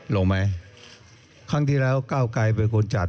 ลงไหมครั้งที่แล้วก้าวไกรเป็นคนจัด